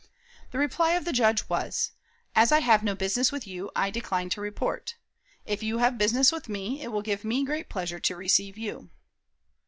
The reply of the Judge was: "As I have no business with you, I decline to report. If you have business with me, it will give me great pleasure to receive you."